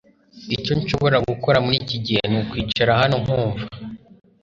icyo nshobora gukora muriki gihe nukwicara hano nkumva